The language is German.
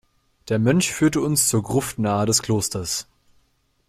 Der Mönch führte uns zur Gruft nahe des Klosters.